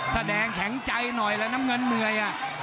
ถ้าแดงแข็งใจหน่อยล่ะน้ำเงินเมื่อยอ่ะ